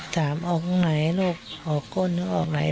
ถามออกไหนลูกออกก้นออกไหน